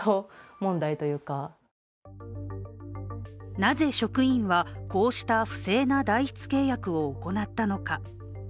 なぜ、職員はこうした不正な代筆契約を行ったのか？